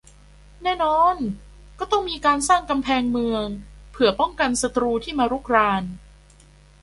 แน่นอนก็ต้องมีการสร้างกำแพงเมืองเผื่อป้องกันศัตรูที่มารุกราน